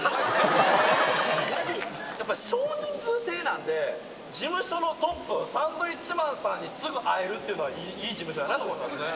やっぱ少人数制なんで、事務所のトップ、サンドウィッチマンさんにすぐ会えるっていうのは、いい事務所だと思いますね。